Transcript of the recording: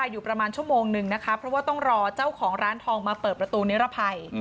อยู่ประมาณชั่วโมงนึงนะคะเพราะว่าต้องรอเจ้าของร้านทองมาเปิดประตูนิรภัย